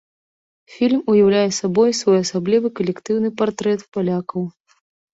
Фільм уяўляе сабой своеасаблівы калектыўны партрэт палякаў.